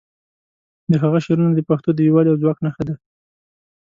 د هغه شعرونه د پښتو د یووالي او ځواک نښه دي.